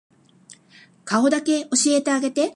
顔だけ教えてあげて